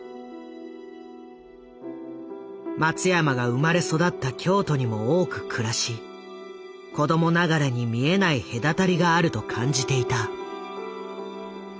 松山が生まれ育った京都にも多く暮らし子供ながらに見えない隔たりがあると感じていた。